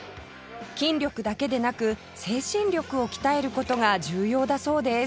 筋力だけでなく精神力を鍛える事が重要だそうです